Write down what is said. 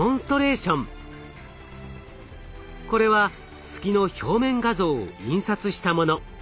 これは月の表面画像を印刷したもの。